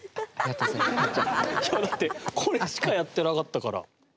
いやだってこれしかやってなかったから。